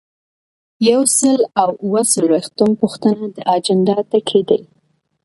یو سل او اووه څلویښتمه پوښتنه د اجنډا ټکي دي.